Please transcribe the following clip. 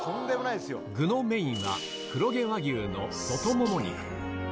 具のメインは、黒毛和牛の外もも肉。